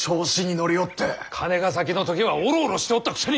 金ヶ崎の時はおろおろしておったくせに！